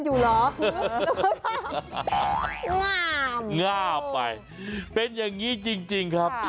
อยู่เหรองามง่าไปเป็นอย่างนี้จริงครับ